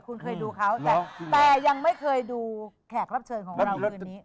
คุณเคยดูเขาแต่ยังไม่เคยดูแขกรับเชิญของเราคืนนี้